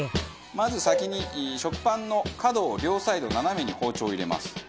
まず先に食パンの角を両サイド斜めに包丁を入れます。